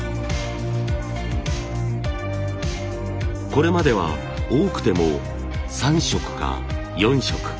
これまでは多くても３色か４色。